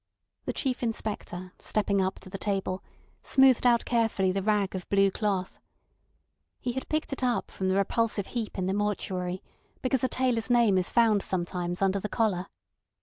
The Chief Inspector, stepping up to the table, smoothed out carefully the rag of blue cloth. He had picked it up from the repulsive heap in the mortuary, because a tailor's name is found sometimes under the collar.